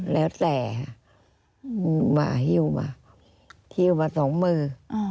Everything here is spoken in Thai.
แล้วแต่ฮะมาฮิ้วมาฮิ้วมา๒มือ